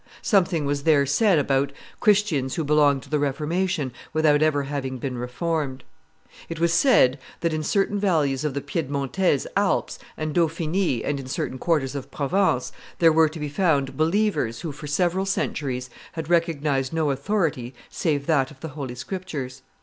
Something was there said about Christians who belonged to the Reformation without having ever been reformed. It was said that, in certain valleys of the Piedmontese Alps and Dauphiny and in certain quarters of Provence, there were to be found believers who for several centuries had recognized no authority save that of the Holy Scriptures.